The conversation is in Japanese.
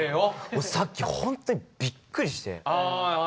俺さっきホントにびっくりして。